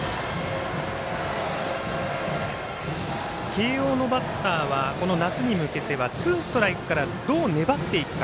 慶応のバッターはこの夏に向けてはツーストライクからどう粘っていくか。